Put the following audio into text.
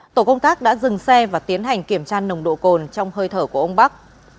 tổ công tác đã dừng xe và tiến hành kiểm tra nồng độ cồn trong hơi thở của ông bắc